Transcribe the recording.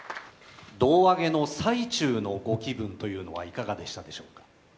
胴上げの最中のご気分というのはいかがでしたでしょうか？